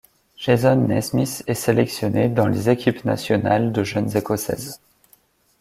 Jason Naismith est sélectionné dans les équipes nationales de jeunes écossaises.